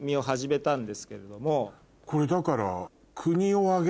これだから。